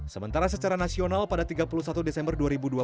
sementara secara nasional pada tiga puluh satu desember dua ribu dua puluh